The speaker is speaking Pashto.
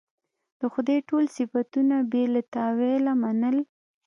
د خدای ټول صفتونه یې بې له تأویله منل.